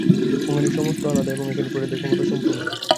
হুঙ্গারীর সমস্ত আলাদা, এবং এখানে প্রজাদের ক্ষমতা সম্পূর্ণ।